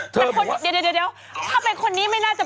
คุณหมอโดนกระช่าคุณหมอโดนกระช่า